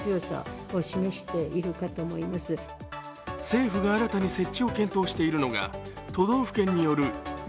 政府が新たに設置を検討しているのが、都道府県によるＢＡ．